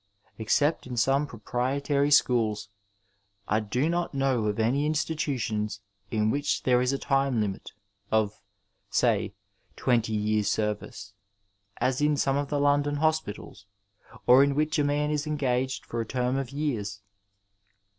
Except in some proprietary schools, I do not know of any institutions in which there is a time limit of, say, twenty years' service, as in some of the London hospitals, or in which a man is engaged for a term of years.